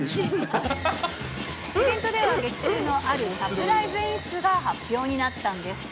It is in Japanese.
イベントでは劇中のあるサプライズ演出が発表になったんです。